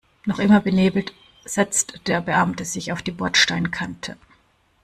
Noch immer benebelt setzt der Beamte sich auf die Bordsteinkante.